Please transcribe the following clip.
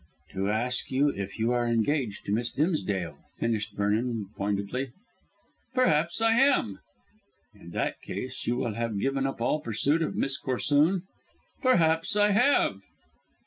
"To ask you if you are engaged to Miss Dimsdale," finished Vernon pointedly. "Perhaps I am." "In that case you will have given up all pursuit of Miss Corsoon?" "Perhaps I have."